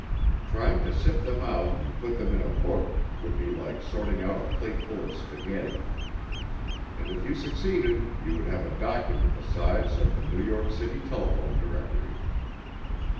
Trying to sift them out and put them in a book would be like sorting out a plateful of spaghetti. And if you succeeded you would have a document the size of the New York City telephone directory.